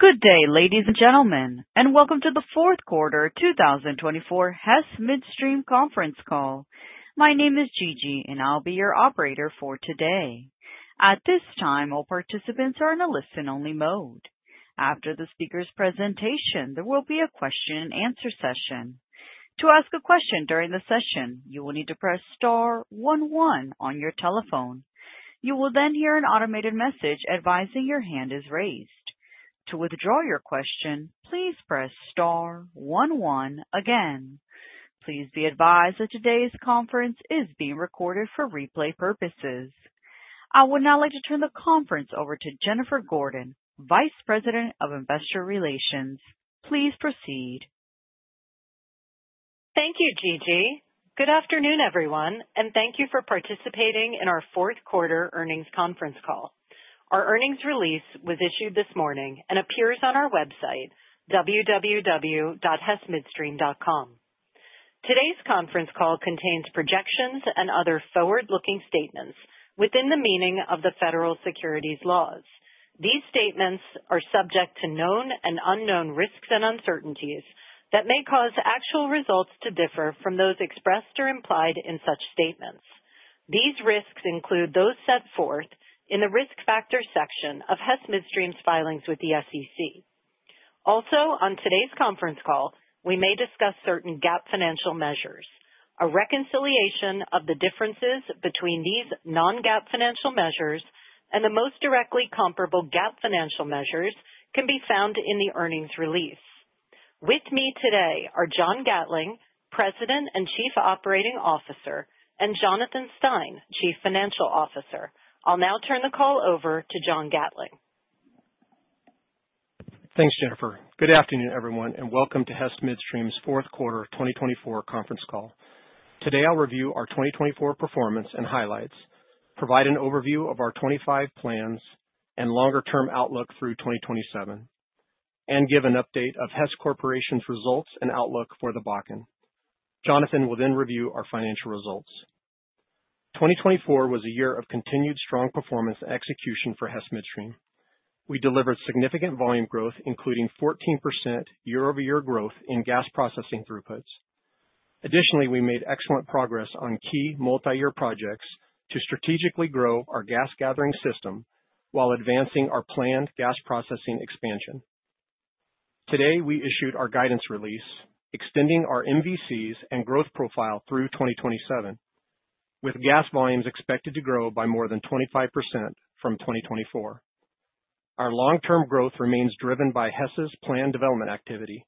Good day, ladies and gentlemen, and welcome to the fourth quarter 2024 Hess Midstream conference call. My name is Gigi, and I'll be your operator for today. At this time, all participants are in a listen-only mode. After the speaker's presentation, there will be a question-and-answer session. To ask a question during the session, you will need to press star one one on your telephone. You will then hear an automated message advising your hand is raised. To withdraw your question, please press star one one again. Please be advised that today's conference is being recorded for replay purposes. I would now like to turn the conference over to Jennifer Gordon, Vice President of Investor Relations. Please proceed. Thank you, Gigi. Good afternoon, everyone, and thank you for participating in our fourth quarter earnings conference call. Our earnings release was issued this morning and appears on our website, www.hessmidstream.com. Today's conference call contains projections and other forward-looking statements within the meaning of the federal securities laws. These statements are subject to known and unknown risks and uncertainties that may cause actual results to differ from those expressed or implied in such statements. These risks include those set forth in the risk factor section of Hess Midstream's filings with the SEC. Also, on today's conference call, we may discuss certain GAAP financial measures. A reconciliation of the differences between these non-GAAP financial measures and the most directly comparable GAAP financial measures can be found in the earnings release. With me today are John Gatling, President and Chief Operating Officer, and Jonathan Stein, Chief Financial Officer. I'll now turn the call over to John Gatling. Thanks, Jennifer. Good afternoon, everyone, and welcome to Hess Midstream's fourth quarter 2024 conference call. Today, I'll review our 2024 performance and highlights, provide an overview of our 2025 plans and longer-term outlook through 2027, and give an update of Hess Corporation's results and outlook for the Bakken. Jonathan will then review our financial results. 2024 was a year of continued strong performance and execution for Hess Midstream. We delivered significant volume growth, including 14% year-over-year growth in gas processing throughputs. Additionally, we made excellent progress on key multi-year projects to strategically grow our gas gathering system while advancing our planned gas processing expansion. Today, we issued our guidance release, extending our MVCs and growth profile through 2027, with gas volumes expected to grow by more than 25% from 2024. Our long-term growth remains driven by Hess's planned development activity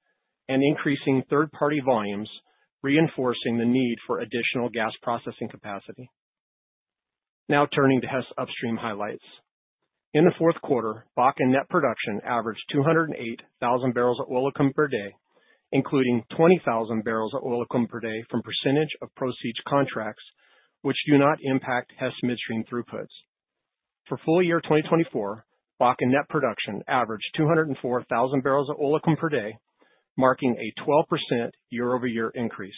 and increasing third-party volumes, reinforcing the need for additional gas processing capacity. Now, turning to Hess Upstream highlights. In the fourth quarter, Bakken net production averaged 208,000 barrels of oil per day, including 20,000 barrels of oil per day from percentage of proceeds contracts, which do not impact Hess Midstream throughputs. For full year 2024, Bakken net production averaged 204,000 barrels of oil per day, marking a 12% year-over-year increase.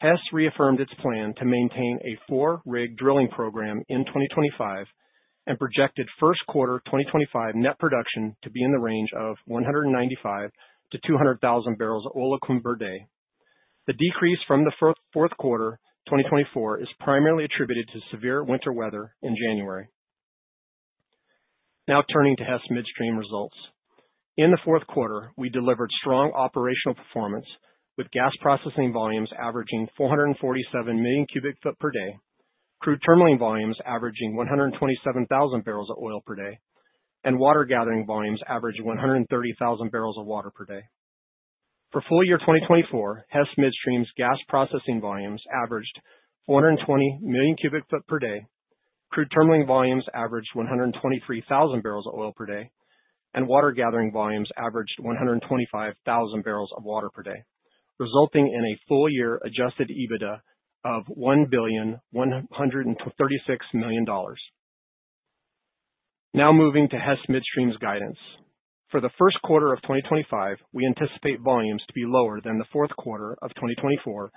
Hess reaffirmed its plan to maintain a four-rig drilling program in 2025 and projected first quarter 2025 net production to be in the range of 195,000 to 200,000 barrels of oil per day. The decrease from the fourth quarter 2024 is primarily attributed to severe winter weather in January. Now, turning to Hess Midstream results. In the fourth quarter, we delivered strong operational performance, with gas processing volumes averaging 447 million cu ft per day, crude terminaling volumes averaging 127,000 barrels of oil per day, and water gathering volumes averaging 130,000 barrels of water per day. For full-year 2024, Hess Midstream's gas processing volumes averaged 420 million cu ft per day, crude terminaling volumes averaged 123,000 barrels of oil per day, and water gathering volumes averaged 125,000 barrels of water per day, resulting in a full-year Adjusted EBITDA of $1.136 billion. Now, moving to Hess Midstream's guidance. For the first quarter of 2025, we anticipate volumes to be lower than the fourth quarter of 2024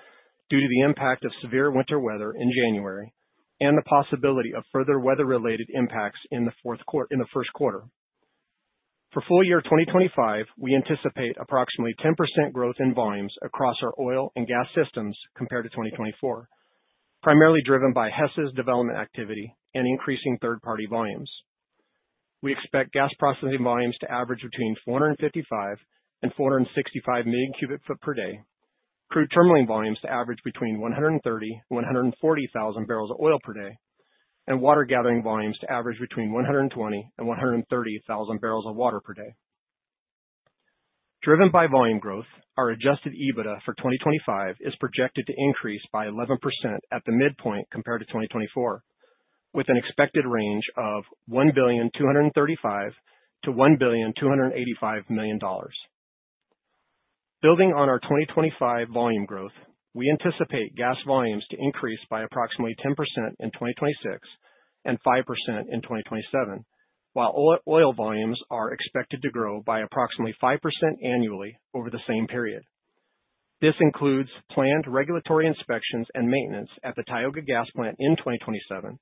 due to the impact of severe winter weather in January and the possibility of further weather-related impacts in the first quarter. For full year 2025, we anticipate approximately 10% growth in volumes across our oil and gas systems compared to 2024, primarily driven by Hess's development activity and increasing third-party volumes. We expect gas processing volumes to average between 455 million and 465 million cu ft per day, crude gathering volumes to average between 130,000 and 140,000 barrels of oil per day, and water gathering volumes to average between 120,000 and 130,000 barrels of water per day. Driven by volume growth, our Adjusted EBITDA for 2025 is projected to increase by 11% at the midpoint compared to 2024, with an expected range of $1.235 billion-$1.285 billion. Building on our 2025 volume growth, we anticipate gas volumes to increase by approximately 10% in 2026 and 5% in 2027, while oil volumes are expected to grow by approximately 5% annually over the same period. This includes planned regulatory inspections and maintenance at the Tioga Gas Plant in 2027,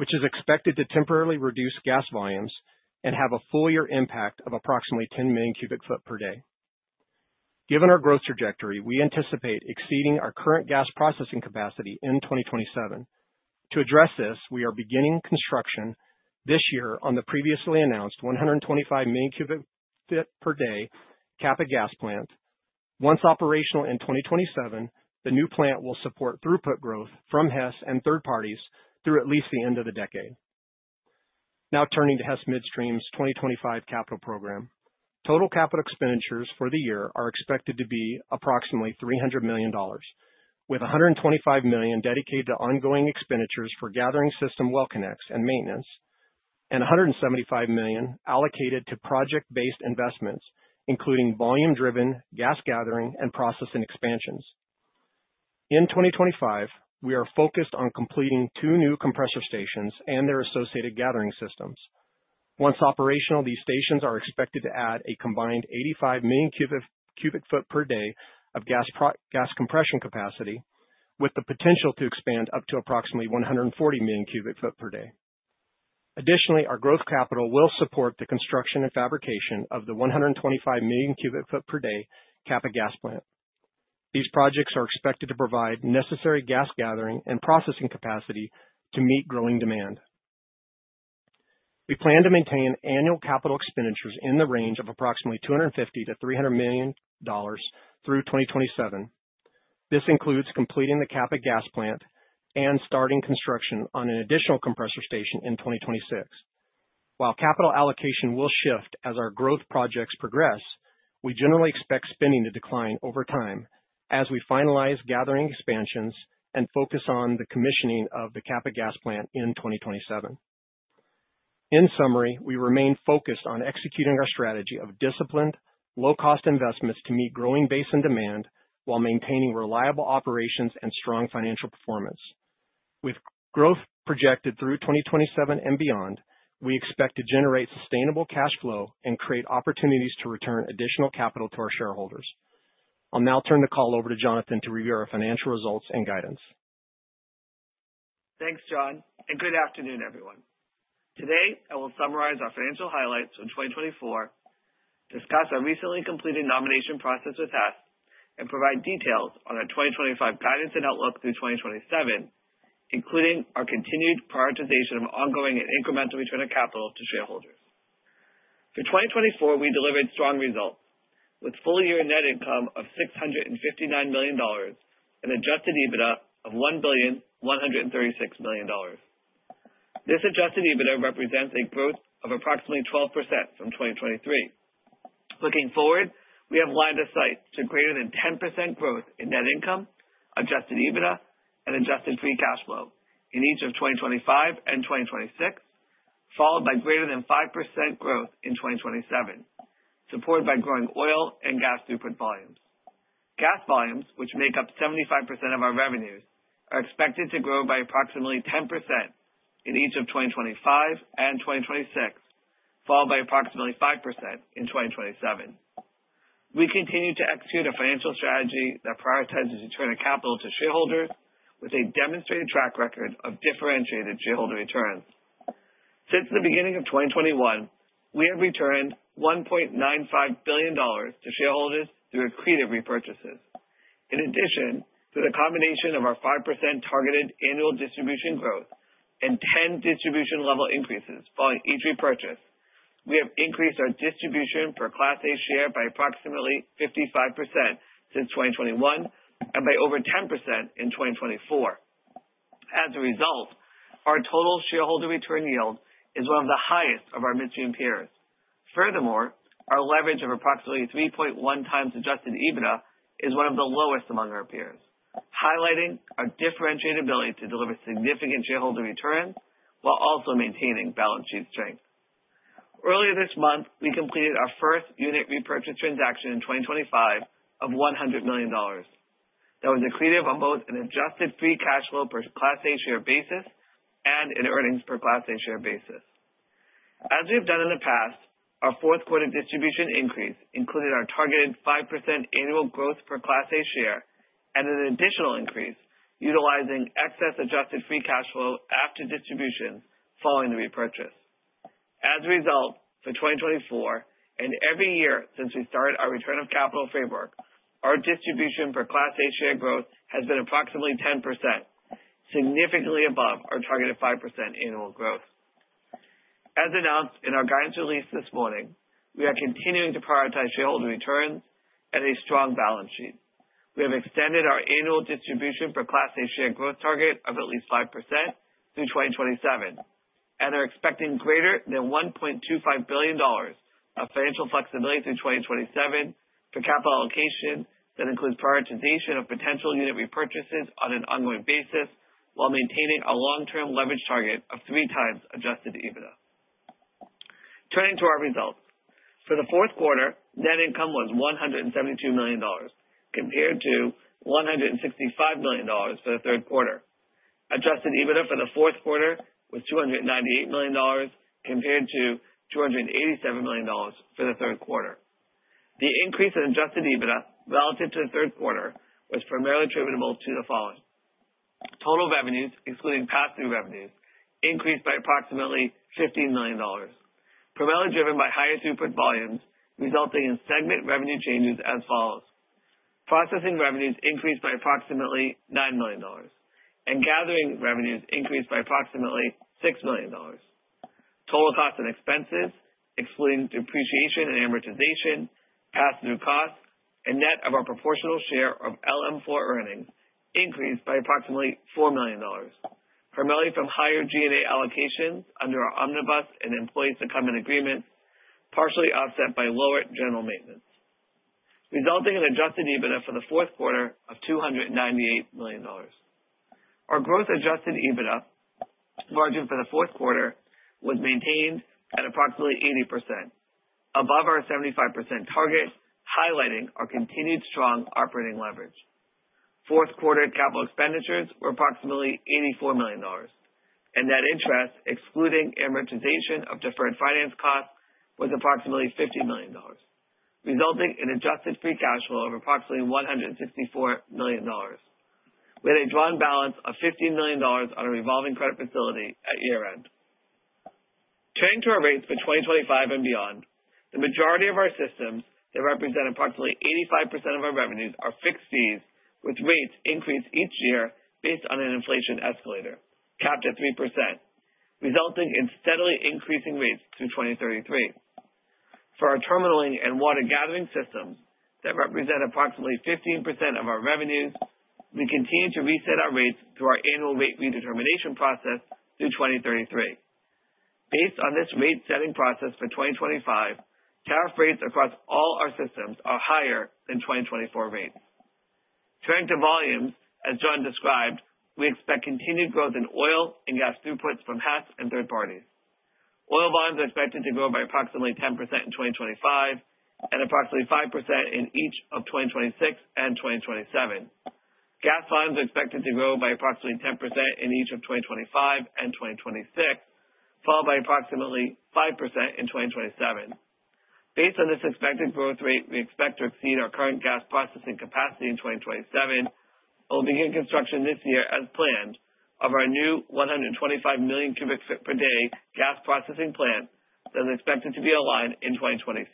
which is expected to temporarily reduce gas volumes and have a full-year impact of approximately 10 million cu ft per day. Given our growth trajectory, we anticipate exceeding our current gas processing capacity in 2027. To address this, we are beginning construction this year on the previously announced 125 million cu ft per day Kappa Gas Plant. Once operational in 2027, the new plant will support throughput growth from Hess and third parties through at least the end of the decade. Now, turning to Hess Midstream's 2025 capital program, total capital expenditures for the year are expected to be approximately $300 million, with $125 million dedicated to ongoing expenditures for gathering system well connects and maintenance, and $175 million allocated to project-based investments, including volume-driven gas gathering and processing expansions. In 2025, we are focused on completing two new compressor stations and their associated gathering systems. Once operational, these stations are expected to add a combined 85 million cu ft per day of gas compression capacity, with the potential to expand up to approximately 140 million cu ft per day. Additionally, our growth capital will support the construction and fabrication of the 125 million cu ft per day Kappa Gas Plant. These projects are expected to provide necessary gas gathering and processing capacity to meet growing demand. We plan to maintain annual capital expenditures in the range of approximately $250,000,000-$300,000,000 through 2027. This includes completing the Kappa Gas Plant and starting construction on an additional compressor station in 2026. While capital allocation will shift as our growth projects progress, we generally expect spending to decline over time as we finalize gathering expansions and focus on the commissioning of the Kappa Gas Plant in 2027. In summary, we remain focused on executing our strategy of disciplined, low-cost investments to meet growing base and demand while maintaining reliable operations and strong financial performance. With growth projected through 2027 and beyond, we expect to generate sustainable cash flow and create opportunities to return additional capital to our shareholders. I'll now turn the call over to Jonathan to review our financial results and guidance. Thanks, John, and good afternoon, everyone. Today, I will summarize our financial highlights in 2024, discuss our recently completed nomination process with Hess, and provide details on our 2025 guidance and outlook through 2027, including our continued prioritization of ongoing and incremental return of capital to shareholders. For 2024, we delivered strong results, with full-year net income of $659,000,000 and Adjusted EBITDA of $1,136,000,000. This Adjusted EBITDA represents a growth of approximately 12% from 2023. Looking forward, we have a line of sight to greater than 10% growth in net income, Adjusted EBITDA, and Adjusted Free Cash Flow in each of 2025 and 2026, followed by greater than 5% growth in 2027, supported by growing oil and gas throughput volumes. Gas volumes, which make up 75% of our revenues, are expected to grow by approximately 10% in each of 2025 and 2026, followed by approximately 5% in 2027. We continue to execute a financial strategy that prioritizes return of capital to shareholders, with a demonstrated track record of differentiated shareholder returns. Since the beginning of 2021, we have returned $1.95 billion to shareholders through accretive repurchases. In addition to the combination of our 5% targeted annual distribution growth and 10 distribution level increases following each repurchase, we have increased our distribution per Class A Share by approximately 55% since 2021 and by over 10% in 2024. As a result, our Total Shareholder Return Yield is one of the highest of our Midstream peers. Furthermore, our leverage of approximately 3.1 times Adjusted EBITDA is one of the lowest among our peers, highlighting our differentiated ability to deliver significant shareholder returns while also maintaining balance sheet strength. Earlier this month, we completed our first unit repurchase transaction in 2025 of $100 million. That was accretive on both an Adjusted Free Cash Flow per Class A Share basis and an earnings per Class A Share basis. As we have done in the past, our fourth quarter distribution increase included our targeted 5% annual growth per Class A Share and an additional increase utilizing excess Adjusted Free Cash Flow after distributions following the repurchase. As a result, for 2024 and every year since we started our return of capital framework, our distribution per Class A Share growth has been approximately 10%, significantly above our targeted 5% annual growth. As announced in our guidance release this morning, we are continuing to prioritize shareholder returns and a strong balance sheet. We have extended our annual distribution per Class A Share growth target of at least 5% through 2027 and are expecting greater than $1.25 billion of financial flexibility through 2027 for capital allocation that includes prioritization of potential unit repurchases on an ongoing basis while maintaining our long-term leverage target of three times Adjusted EBITDA. Turning to our results, for the fourth quarter, net income was $172,000,000, compared to $165,000,000 for the third quarter. Adjusted EBITDA for the fourth quarter was $298,000,000, compared to $287,000,000 for the third quarter. The increase in Adjusted EBITDA relative to the third quarter was primarily attributable to the following: total revenues, excluding pass-through revenues, increased by approximately $15,000,000, primarily driven by higher throughput volumes, resulting in segment revenue changes as follows: processing revenues increased by approximately $9,000,000, and gathering revenues increased by approximately $6,000,000. Total costs and expenses, excluding depreciation and amortization, pass-through costs, and net of our proportional share of LM4 earnings, increased by approximately $4,000,000, primarily from higher G&A allocations under our Omnibus and employee secondment agreements, partially offset by lower general maintenance, resulting in Adjusted EBITDA for the fourth quarter of $298,000,000. Our gross Adjusted EBITDA margin for the fourth quarter was maintained at approximately 80%, above our 75% target, highlighting our continued strong operating leverage. Fourth quarter capital expenditures were approximately $84,000,000, and net interest, excluding amortization of deferred finance costs, was approximately $50,000,000, resulting in Adjusted Free Cash Flow of approximately $164,000,000. We had a drawn balance of $15,000,000 on a revolving credit facility at year-end. Turning to our rates for 2025 and beyond, the majority of our systems that represent approximately 85% of our revenues are fixed fees, with rates increased each year based on an inflation escalator capped at 3%, resulting in steadily increasing rates through 2033. For our crude and water gathering systems that represent approximately 15% of our revenues, we continue to reset our rates through our annual rate redetermination process through 2033. Based on this rate-setting process for 2025, tariff rates across all our systems are higher than 2024 rates. Turning to volumes, as John described, we expect continued growth in oil and gas throughputs from Hess and third parties. Oil volumes are expected to grow by approximately 10% in 2025 and approximately 5% in each of 2026 and 2027. Gas volumes are expected to grow by approximately 10% in each of 2025 and 2026, followed by approximately 5% in 2027. Based on this expected growth rate, we expect to exceed our current gas processing capacity in 2027. We'll begin construction this year as planned of our new 125 million cu ft per day gas processing plant that is expected to be aligned in 2027.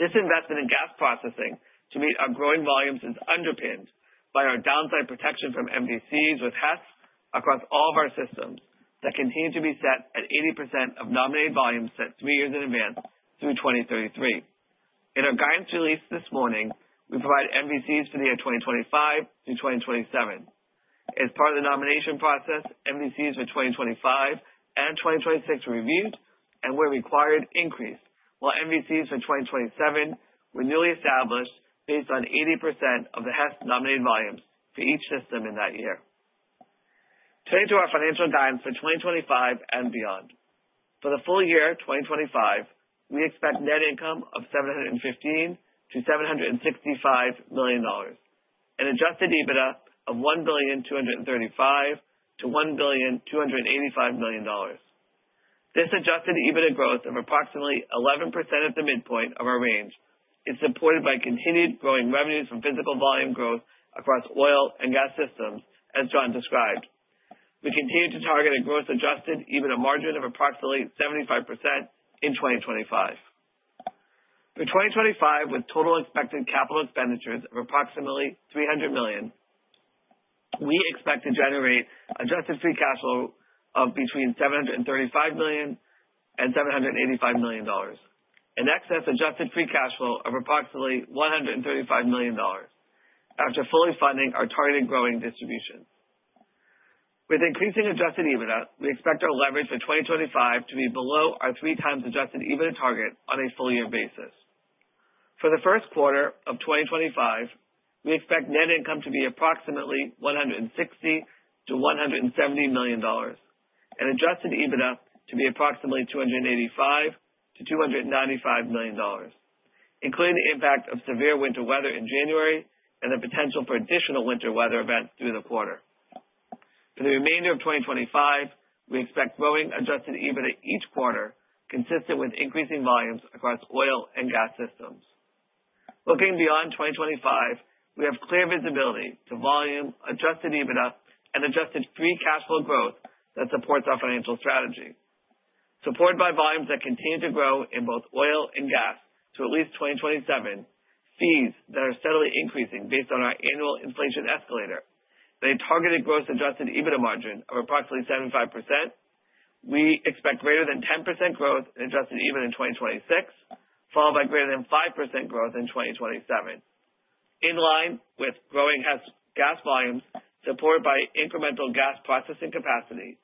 This investment in gas processing to meet our growing volumes is underpinned by our downside protection from MVCs with Hess across all of our systems that continue to be set at 80% of nominated volumes set three years in advance through 2033. In our guidance released this morning, we provide MVCs for the year 2025 through 2027. As part of the nomination process, MVCs for 2025 and 2026 were reviewed and were required increased, while MVCs for 2027 were newly established based on 80% of the Hess nominated volumes for each system in that year. Turning to our financial guidance for 2025 and beyond, for the full year 2025, we expect net income of $715,000,000 to $765,000,000 and Adjusted EBITDA of $1,235,000,000 to $1,285,000,000. This Adjusted EBITDA growth of approximately 11% at the midpoint of our range is supported by continued growing revenues from physical volume growth across oil and gas systems, as John described. We continue to target a growth Adjusted EBITDA margin of approximately 75% in 2025. For 2025, with total expected Capital Expenditures of approximately $300,000,000, we expect to generate Adjusted Free Cash Flow of between $735,000,000 and $785,000,000, and excess Adjusted Free Cash Flow of approximately $135,000,000 after fully funding our targeted growing distributions. With increasing Adjusted EBITDA, we expect our leverage for 2025 to be below our three times Adjusted EBITDA target on a full-year basis. For the first quarter of 2025, we expect net income to be approximately $160,000,000-$170,000,000 and Adjusted EBITDA to be approximately $285,000,000-$295,000,000, including the impact of severe winter weather in January and the potential for additional winter weather events through the quarter. For the remainder of 2025, we expect growing Adjusted EBITDA each quarter, consistent with increasing volumes across oil and gas systems. Looking beyond 2025, we have clear visibility to volume, Adjusted EBITDA, and Adjusted Free Cash Flow growth that supports our financial strategy. Supported by volumes that continue to grow in both oil and gas through at least 2027, fees that are steadily increasing based on our annual inflation escalator, and a targeted gross Adjusted EBITDA margin of approximately 75%, we expect greater than 10% growth in Adjusted EBITDA in 2026, followed by greater than 5% growth in 2027. In line with growing Hess gas volumes supported by incremental gas processing capacity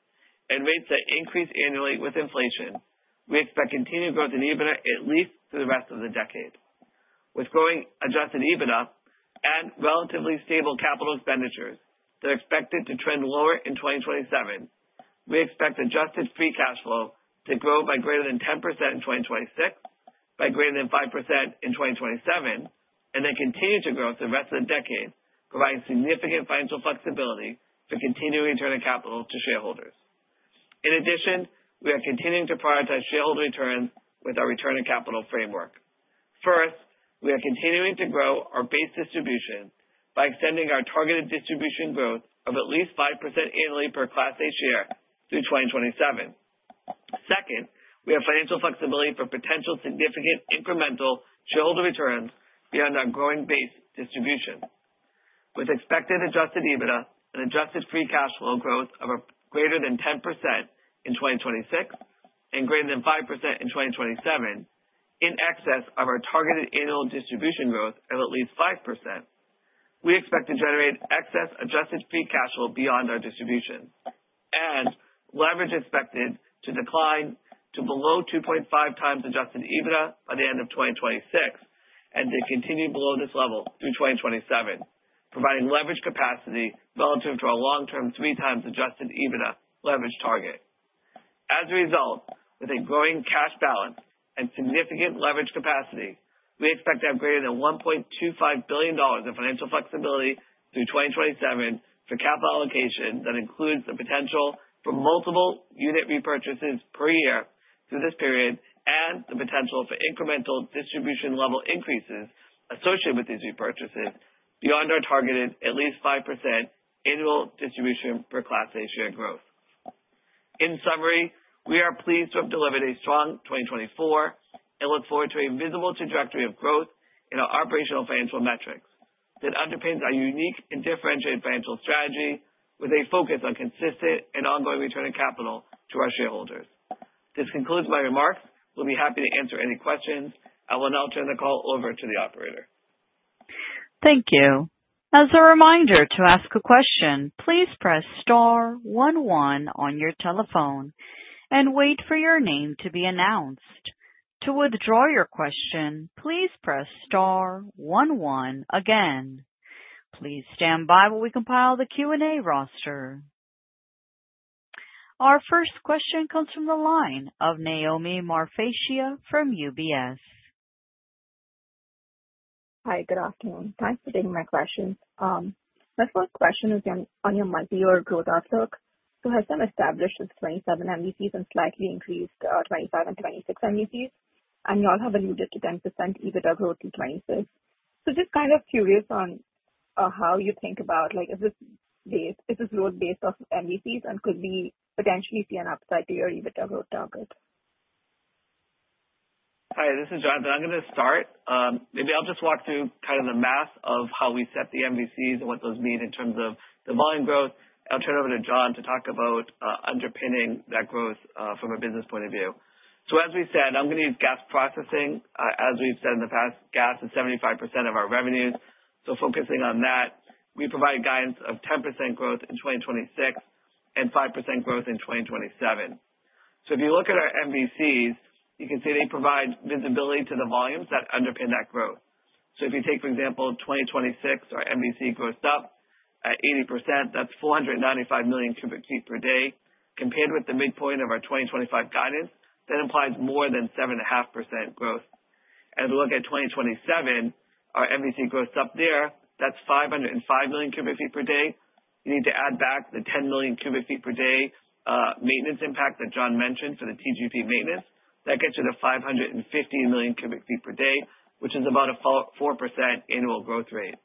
and rates that increase annually with inflation, we expect continued growth in EBITDA at least through the rest of the decade. With growing adjusted EBITDA and relatively stable capital expenditures that are expected to trend lower in 2027, we expect adjusted free cash flow to grow by greater than 10% in 2026, by greater than 5% in 2027, and then continue to grow through the rest of the decade, providing significant financial flexibility for continuing return of capital to shareholders. In addition, we are continuing to prioritize shareholder returns with our return of capital framework. First, we are continuing to grow our base distribution by extending our targeted distribution growth of at least 5% annually per Class A share through 2027. Second, we have financial flexibility for potential significant incremental shareholder returns beyond our growing base distribution. With expected Adjusted EBITDA and Adjusted Free Cash Flow growth of greater than 10% in 2026 and greater than 5% in 2027, in excess of our targeted annual distribution growth of at least 5%, we expect to generate excess Adjusted Free Cash Flow beyond our distribution and leverage expected to decline to below 2.5 times Adjusted EBITDA by the end of 2026 and to continue below this level through 2027, providing leverage capacity relative to our long-term three times Adjusted EBITDA leverage target. As a result, with a growing cash balance and significant leverage capacity, we expect to have greater than $1.25 billion of financial flexibility through 2027 for capital allocation that includes the potential for multiple unit repurchases per year through this period and the potential for incremental distribution level increases associated with these repurchases beyond our targeted at least 5% annual distribution per Class A Share growth. In summary, we are pleased to have delivered a strong 2024 and look forward to a visible trajectory of growth in our operational financial metrics that underpins our unique and differentiated financial strategy with a focus on consistent and ongoing return of capital to our shareholders. This concludes my remarks. We'll be happy to answer any questions, and I will now turn the call over to the operator. Thank you. As a reminder to ask a question, please press star 11 on your telephone and wait for your name to be announced. To withdraw your question, please press star 11 again. Please stand by while we compile the Q&A roster. Our first question comes from the line of Naomi Marfatia from UBS. Hi, good afternoon. Thanks for taking my questions. My first question is on your multi-year growth outlook. So Hess has established its 2027 MVCs and slightly increased 2025 and 2026 MVCs, and you all have alluded to 10% EBITDA growth in 2026. So just kind of curious on how you think about, is this growth based off MVCs, and could we potentially see an upside to your EBITDA growth target? Hi, this is John. I'm going to start. Maybe I'll just walk through kind of the math of how we set the MVCs and what those mean in terms of the volume growth. I'll turn it over to John to talk about underpinning that growth from a business point of view. So as we said, I'm going to use gas processing. As we've said in the past, gas is 75% of our revenues. So focusing on that, we provide guidance of 10% growth in 2026 and 5% growth in 2027. If you look at our MVCs, you can see they provide visibility to the volumes that underpin that growth. If you take, for example, 2026, our MVC grossed up at 80%, that's 495 million cu ft per day. Compared with the midpoint of our 2025 guidance, that implies more than 7.5% growth. If we look at 2027, our MVC grossed up there, that's 505 million cu ft per day. You need to add back the 10 million cu ft per day maintenance impact that John mentioned for the TGP maintenance. That gets you to 550 million cu ft per day, which is about a 4% annual growth rate.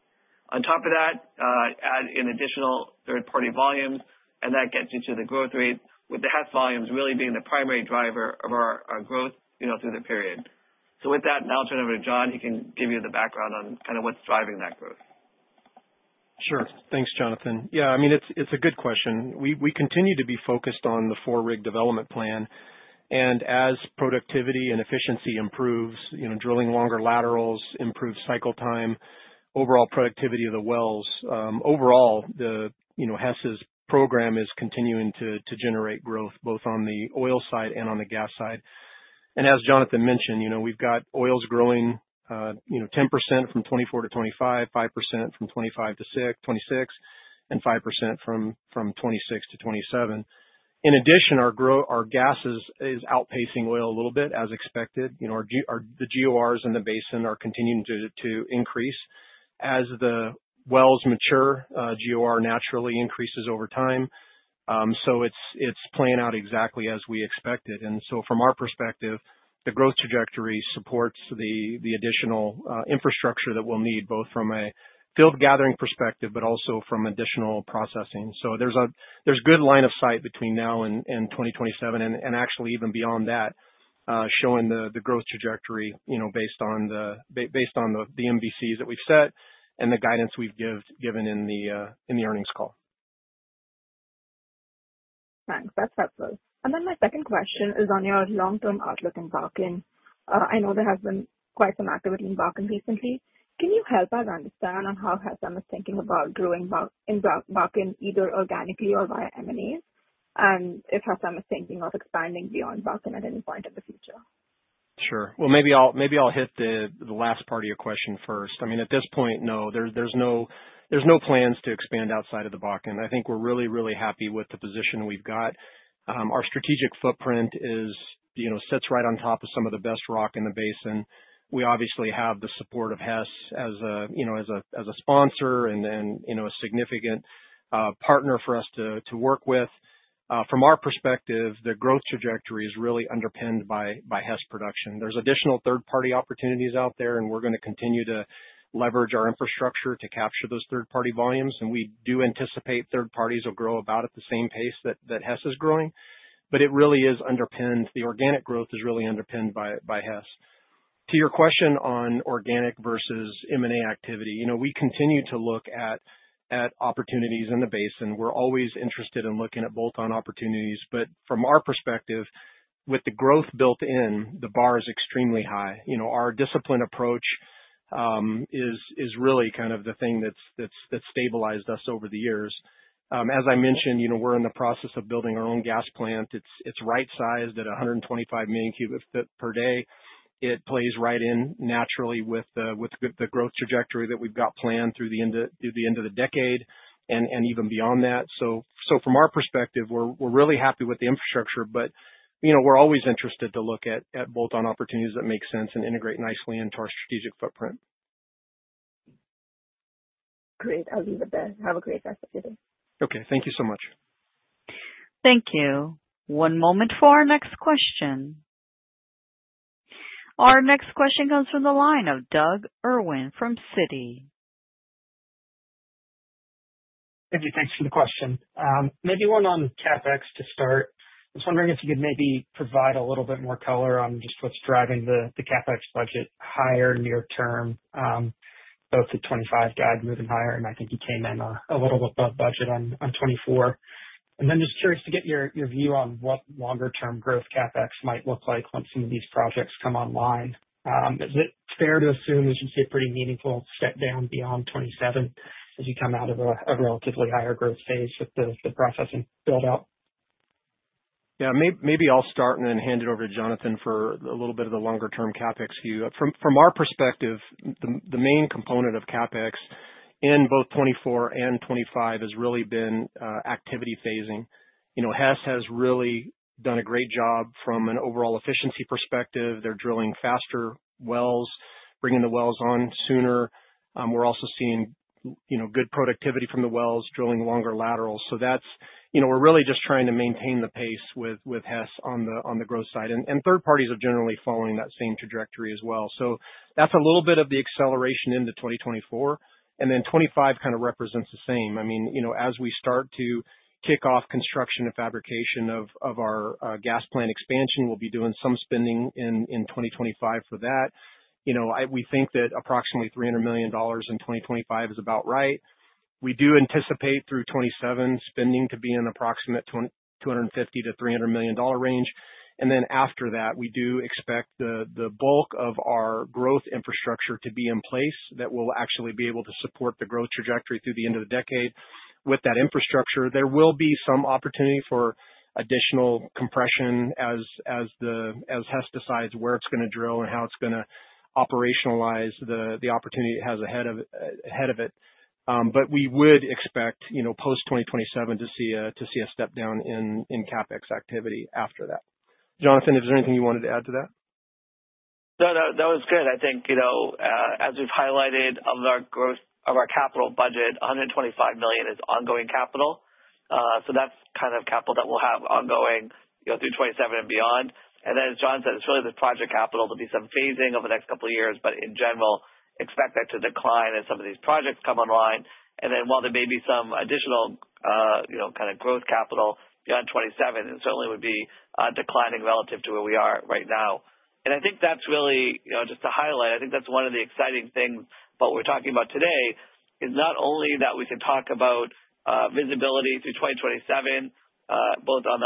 On top of that, add in additional third-party volumes, and that gets you to the growth rate, with the Hess volumes really being the primary driver of our growth through the period. So with that, now I'll turn it over to John. He can give you the background on kind of what's driving that growth. Sure. Thanks, Jonathan. Yeah, I mean, it's a good question. We continue to be focused on the four-rig development plan. And as productivity and efficiency improves, drilling longer laterals improves cycle time, overall productivity of the wells. Overall, Hess's program is continuing to generate growth both on the oil side and on the gas side. And as Jonathan mentioned, we've got oil's growing 10% from 2024 to 2025, 5% from 2025 to 2026, and 5% from 2026 to 2027. In addition, our gas is outpacing oil a little bit, as expected. The GORs in the basin are continuing to increase. As the wells mature, GOR naturally increases over time. So it's playing out exactly as we expected. And so from our perspective, the growth trajectory supports the additional infrastructure that we'll need both from a field gathering perspective but also from additional processing. So there's good line of sight between now and 2027 and actually even beyond that, showing the growth trajectory based on the MVCs that we've set and the guidance we've given in the earnings call. Thanks. That's helpful. And then my second question is on your long-term outlook in Bakken. I know there has been quite some activity in Bakken recently. Can you help us understand on how HESM is thinking about growing in Bakken, either organically or via M&As, and if HESM is thinking of expanding beyond Bakken at any point in the future? Sure. Well, maybe I'll hit the last part of your question first. I mean, at this point, no, there's no plans to expand outside of the Bakken. I think we're really, really happy with the position we've got. Our strategic footprint sits right on top of some of the best rock in the basin. We obviously have the support of Hess as a sponsor and a significant partner for us to work with. From our perspective, the growth trajectory is really underpinned by Hess production. There's additional third-party opportunities out there, and we're going to continue to leverage our infrastructure to capture those third-party volumes. And we do anticipate third parties will grow about at the same pace that Hess is growing. But it really is underpinned. The organic growth is really underpinned by Hess. To your question on organic versus M&A activity, we continue to look at opportunities in the basin. We're always interested in looking at bolt-on opportunities. But from our perspective, with the growth built in, the bar is extremely high. Our disciplined approach is really kind of the thing that's stabilized us over the years. As I mentioned, we're in the process of building our own gas plant. It's right-sized at 125 million cu ft per day. It plays right in naturally with the growth trajectory that we've got planned through the end of the decade and even beyond that. So from our perspective, we're really happy with the infrastructure, but we're always interested to look at bolt-on opportunities that make sense and integrate nicely into our strategic footprint. Great. I'll leave it there. Have a great rest of your day. Okay. Thank you so much. Thank you. One moment for our next question. Our next question comes from the line of Douglas Irwin from Citi. Thank you. Thanks for the question. Maybe one on CapEx to start. I was wondering if you could maybe provide a little bit more color on just what's driving the CapEx budget higher near term, both the 2025 guide moving higher, and I think you came in a little above budget on 2024. Then just curious to get your view on what longer-term growth CapEx might look like once some of these projects come online. Is it fair to assume that you see a pretty meaningful step down beyond 2027 as you come out of a relatively higher growth phase with the processing build-out? Yeah. Maybe I'll start and then hand it over to Jonathan for a little bit of the longer-term CapEx view. From our perspective, the main component of CapEx in both 2024 and 2025 has really been activity phasing. Hess has really done a great job from an overall efficiency perspective. They're drilling faster wells, bringing the wells on sooner. We're also seeing good productivity from the wells, drilling longer laterals. So we're really just trying to maintain the pace with Hess on the growth side. And third parties are generally following that same trajectory as well. So that's a little bit of the acceleration into 2024. And then 2025 kind of represents the same. I mean, as we start to kick off construction and fabrication of our gas plant expansion, we'll be doing some spending in 2025 for that. We think that approximately $300 million in 2025 is about right. We do anticipate through 2027 spending to be in the approximate $250 million-$300 million range. And then after that, we do expect the bulk of our growth infrastructure to be in place that will actually be able to support the growth trajectory through the end of the decade. With that infrastructure, there will be some opportunity for additional compression as Hess decides where it's going to drill and how it's going to operationalize the opportunity it has ahead of it. But we would expect post-2027 to see a step down in CapEx activity after that. Jonathan, if there's anything you wanted to add to that? No, that was good. I think as we've highlighted of our capital budget, $125 million is ongoing capital. So that's kind of capital that we'll have ongoing through 2027 and beyond. And then, as John said, it's really the project capital to be some phasing over the next couple of years, but in general, expect that to decline as some of these projects come online. And then while there may be some additional kind of growth capital beyond 2027, it certainly would be declining relative to where we are right now. And I think that's really just to highlight. I think that's one of the exciting things about what we're talking about today is not only that we can talk about visibility through 2027, both on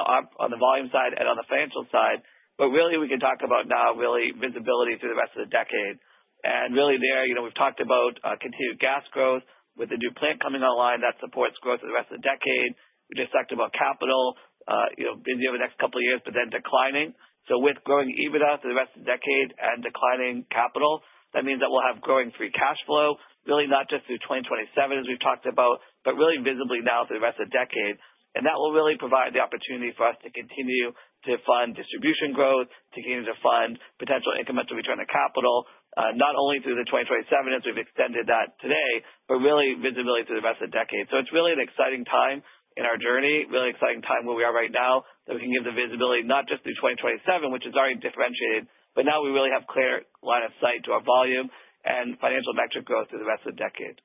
the volume side and on the financial side, but really we can talk about now really visibility through the rest of the decade. And really there, we've talked about continued gas growth with the new plant coming online that supports growth for the rest of the decade. We just talked about capital over the next couple of years, but then declining. So with growing EBITDA through the rest of the decade and declining capital, that means that we'll have growing free cash flow, really not just through 2027, as we've talked about, but really visibly now through the rest of the decade. And that will really provide the opportunity for us to continue to fund distribution growth, to continue to fund potential incremental return of capital, not only through 2027 as we've extended that today, but really visibly through the rest of the decade. So it's really an exciting time in our journey, really exciting time where we are right now that we can give the visibility not just through 2027, which is already differentiated, but now we really have clear line of sight to our volume and financial metric growth through the rest of the decade.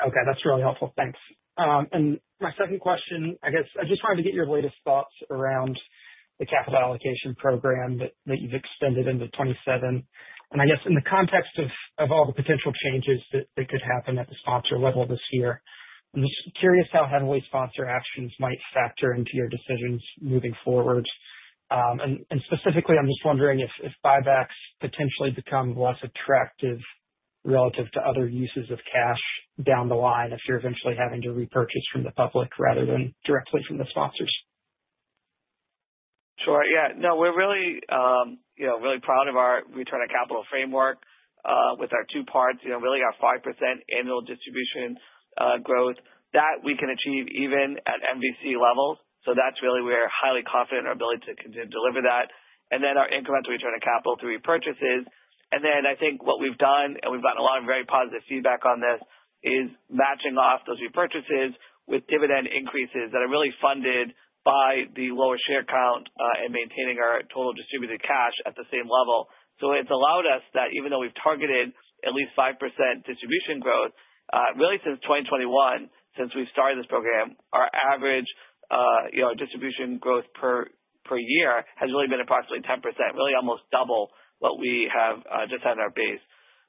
Okay. That's really helpful. Thanks. And my second question, I guess I just wanted to get your latest thoughts around the capital allocation program that you've extended into 2027? And I guess in the context of all the potential changes that could happen at the sponsor level this year, I'm just curious how heavily sponsor actions might factor into your decisions moving forward. And specifically, I'm just wondering if buybacks potentially become less attractive relative to other uses of cash down the line if you're eventually having to repurchase from the public rather than directly from the sponsors. Sure. Yeah. No, we're really proud of our return on capital framework with our two parts. Really our 5% annual distribution growth that we can achieve even at MVC levels. So that's really where we're highly confident in our ability to deliver that. And then our incremental return of capital through repurchases. I think what we've done, and we've gotten a lot of very positive feedback on this, is matching off those repurchases with dividend increases that are really funded by the lower share count and maintaining our total distributed cash at the same level. So it's allowed us that even though we've targeted at least 5% distribution growth, really since 2021, since we've started this program, our average distribution growth per year has really been approximately 10%, really almost double what we have just had in our base.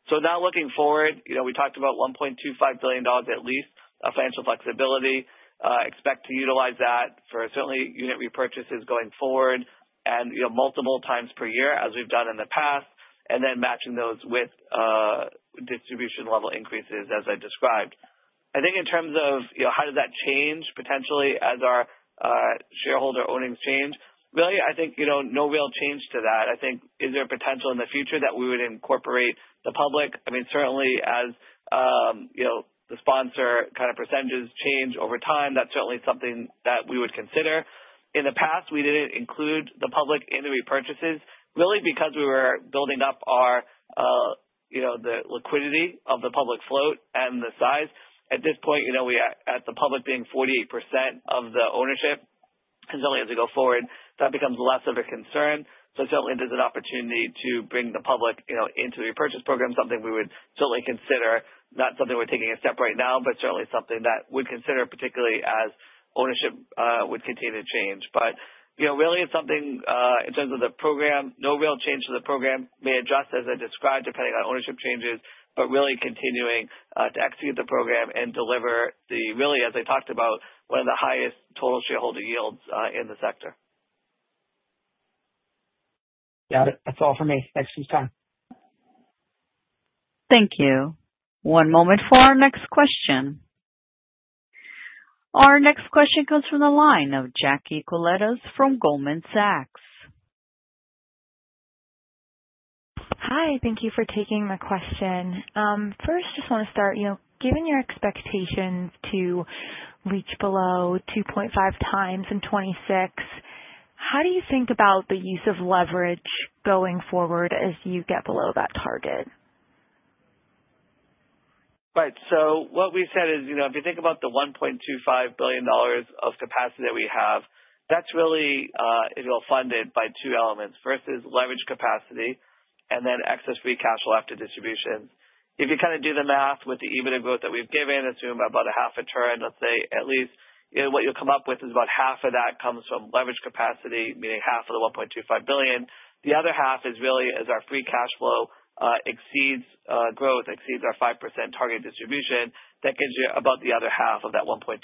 So now looking forward, we talked about $1.25 billion at least of financial flexibility. Expect to utilize that for certainly unit repurchases going forward and multiple times per year as we've done in the past, and then matching those with distribution level increases as I described. I think in terms of how does that change potentially as our shareholder earnings change? Really, I think no real change to that. I think, is there a potential in the future that we would incorporate the public? I mean, certainly as the sponsor kind of percentages change over time, that's certainly something that we would consider. In the past, we didn't include the public in the repurchases really because we were building up the liquidity of the public float and the size. At this point, we have the public being 48% of the ownership, and certainly as we go forward, that becomes less of a concern, so certainly there's an opportunity to bring the public into the repurchase program, something we would certainly consider, not something we're taking a step right now, but certainly something that we'd consider particularly as ownership would continue to change. But really, it's something in terms of the program, no real change to the program. May adjust as I described depending on ownership changes, but really continuing to execute the program and deliver the, really, as I talked about, one of the highest total shareholder yields in the sector. Got it. That's all for me. Thanks for your time. Thank you. One moment for our next question. Our next question comes from the line of Jacques Koletas from Goldman Sachs. Hi. Thank you for taking the question. First, just want to start, given your expectations to reach below 2.5x in 2026, how do you think about the use of leverage going forward as you get below that target? Right. What we said is if you think about the $1.25 billion of capacity that we have, that's really funded by two elements versus leverage capacity and then excess free cash flow after distributions. If you kind of do the math with the EBITDA growth that we've given, assume about a half a turn, let's say at least, what you'll come up with is about half of that comes from leverage capacity, meaning half of the $1.25 billion. The other half is really as our free cash flow exceeds growth, exceeds our 5% target distribution, that gives you about the other half of that $1.25.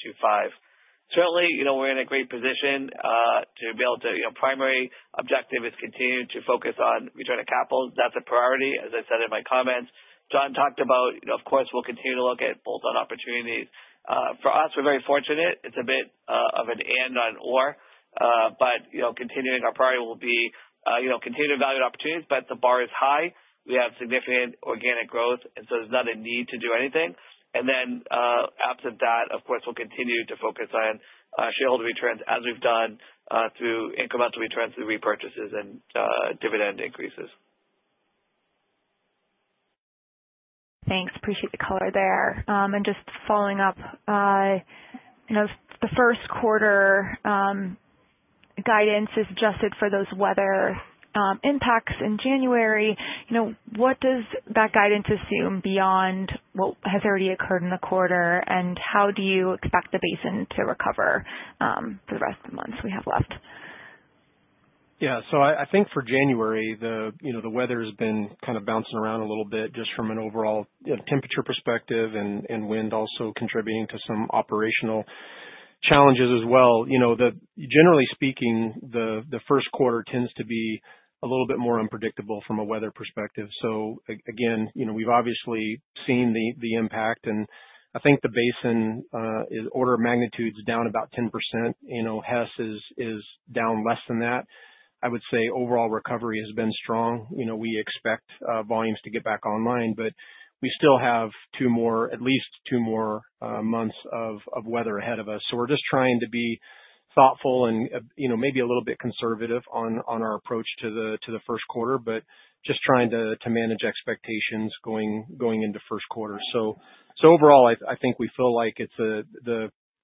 Certainly, we're in a great position to be able to primary objective is continue to focus on return to capital. That's a priority, as I said in my comments. John talked about, of course, we'll continue to look at bolt-on opportunities. For us, we're very fortunate. It's a bit of an and/or, but continuing our priority will be continued value opportunities, but the bar is high. We have significant organic growth, and so there's not a need to do anything. And then absent that, of course, we'll continue to focus on shareholder returns as we've done through incremental returns through repurchases and dividend increases. Thanks. Appreciate the color there. And just following up, the first quarter guidance is adjusted for those weather impacts in January. What does that guidance assume beyond what has already occurred in the quarter, and how do you expect the basin to recover for the rest of the months we have left? Yeah. So I think for January, the weather has been kind of bouncing around a little bit just from an overall temperature perspective and wind also contributing to some operational challenges as well. Generally speaking, the first quarter tends to be a little bit more unpredictable from a weather perspective. So again, we've obviously seen the impact, and I think the basin order of magnitude is down about 10%. Hess is down less than that. I would say overall recovery has been strong. We expect volumes to get back online, but we still have at least two more months of weather ahead of us. So we're just trying to be thoughtful and maybe a little bit conservative on our approach to the first quarter, but just trying to manage expectations going into first quarter. So overall, I think we feel like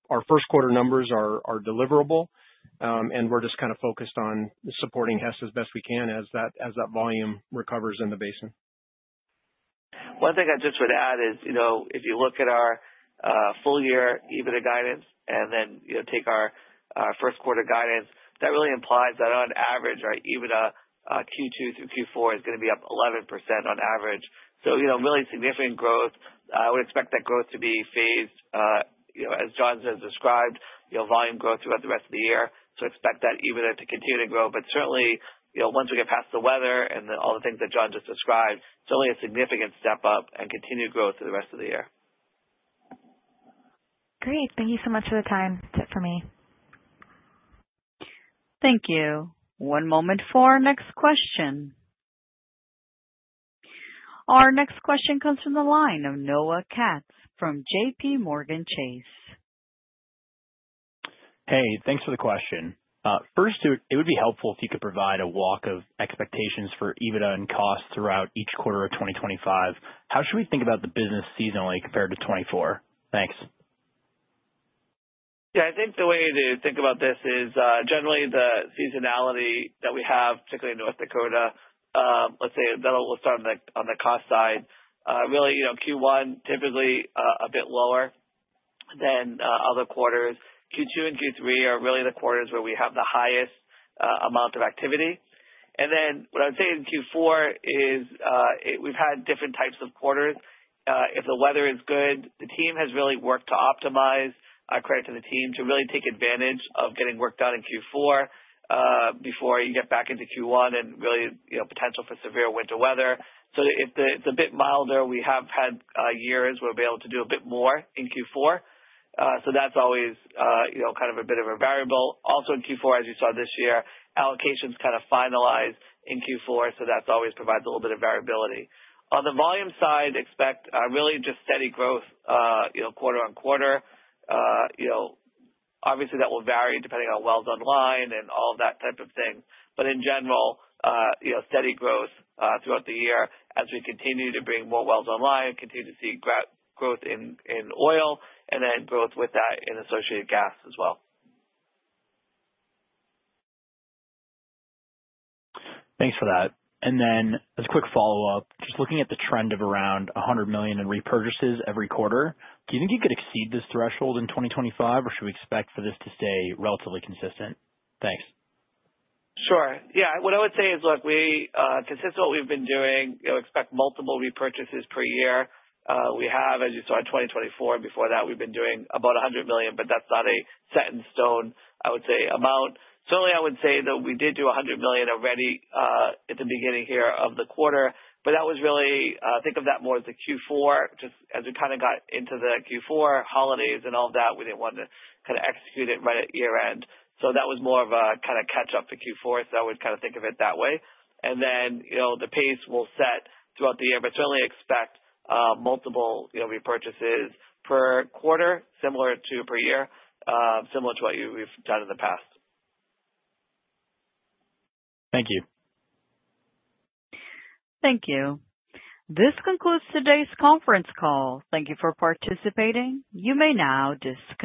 our first quarter numbers are deliverable, and we're just kind of focused on supporting Hess as best we can as that volume recovers in the basin. One thing I just would add is if you look at our full year EBITDA guidance and then take our first quarter guidance, that really implies that on average, our EBITDA Q2 through Q4 is going to be up 11% on average. So really significant growth. I would expect that growth to be phased, as John has described, volume growth throughout the rest of the year. So expect that EBITDA to continue to grow. But certainly, once we get past the weather and all the things that John just described, certainly a significant step up and continued growth through the rest of the year. Great. Thank you so much for the time. That's it for me. Thank you. One moment for our next question. Our next question comes from the line of Noah Katz from JPMorgan Chase. Hey, thanks for the question. First, it would be helpful if you could provide a walk of expectations for EBITDA and costs throughout each quarter of 2025. How should we think about the business seasonally compared to 2024? Thanks. Yeah. I think the way to think about this is generally the seasonality that we have, particularly in North Dakota. Let's say that'll start on the cost side. Really, Q1 typically a bit lower than other quarters. Q2 and Q3 are really the quarters where we have the highest amount of activity. Then what I would say in Q4 is we've had different types of quarters. If the weather is good, the team has really worked to optimize our CapEx, credit to the team, to really take advantage of getting work done in Q4 before you get back into Q1 and really potential for severe winter weather. So if it's a bit milder, we have had years where we'll be able to do a bit more in Q4. So that's always kind of a bit of a variable. Also in Q4, as you saw this year, allocations kind of finalized in Q4, so that always provides a little bit of variability. On the volume side, expect really just steady growth quarter on quarter. Obviously, that will vary depending on wells online and all of that type of thing. But in general, steady growth throughout the year as we continue to bring more wells online, continue to see growth in oil, and then growth with that in associated gas as well. Thanks for that. And then as a quick follow-up, just looking at the trend of around $100 million in repurchases every quarter, do you think you could exceed this threshold in 2025, or should we expect for this to stay relatively consistent? Thanks. Sure. Yeah. What I would say is, look, consistent with what we've been doing, expect multiple repurchases per year. We have, as you saw in 2024, and before that, we've been doing about $100 million, but that's not a set in stone, I would say, amount. Certainly, I would say that we did do $100 million already at the beginning here of the quarter, but that was really think of that more as a Q4. Just as we kind of got into the Q4 holidays and all of that, we didn't want to kind of execute it right at year-end. So that was more of a kind of catch-up for Q4, so I would kind of think of it that way. And then the pace will set throughout the year, but certainly expect multiple repurchases per quarter, similar to per year, similar to what we've done in the past. Thank you. Thank you. This concludes today's conference call. Thank you for participating. You may now disconnect.